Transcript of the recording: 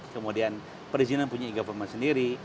kemudian perizinan punya e government sendiri